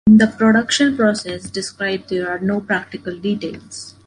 In the production process described there are no practical details.